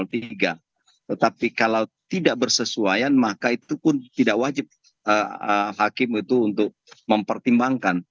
tetapi kalau tidak bersesuaian maka itu pun tidak wajib hakim itu untuk mempertimbangkan